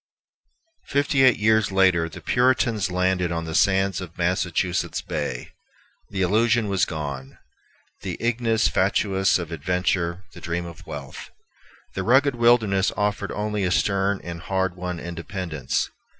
Fifty eight years later the Puritans landed on the sands of Massachusetts Bay. The illusion was gone, the ignis fatuus of adventure, the dream of wealth. The rugged wilderness offered only a stern and hard won independence.